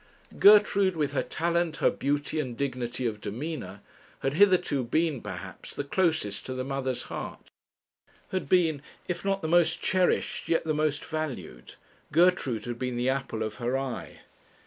Gertrude, with her talent, her beauty, and dignity of demeanour, had hitherto been, perhaps, the closest to the mother's heart had been, if not the most cherished, yet the most valued; Gertrude had been the apple of her eye.